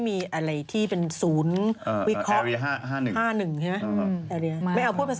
นี่มันอะไรนี่มันโรคหรืออะไรเนี่ย